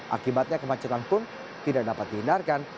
akibatnya kemacetan pun tidak dapat dihindarkan